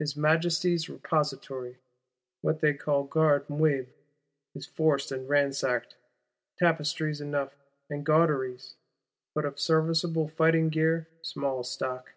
His Majesty's Repository, what they call Garde Meuble, is forced and ransacked: tapestries enough, and gauderies; but of serviceable fighting gear small stock!